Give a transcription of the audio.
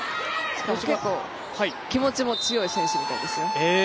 結構、気持ちも強い選手みたいですよ。